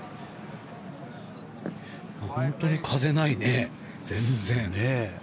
本当に風ないね、全然。